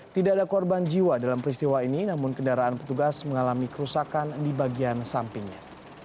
tidak ada korban jiwa dalam peristiwa ini namun kendaraan petugas mengalami kerusakan di bagian sampingnya